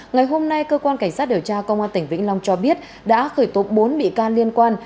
ngày hôm nay cơ quan cảnh sát điều tra công an tỉnh vĩnh long cho biết đã khởi tố bốn bị can liên quan